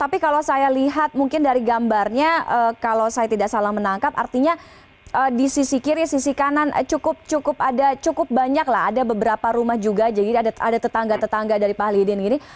tapi kalau saya lihat mungkin dari gambarnya kalau saya tidak salah menangkap artinya di sisi kiri sisi kanan cukup banyak lah ada beberapa rumah juga jadi ada tetangga tetangga dari pak alidin ini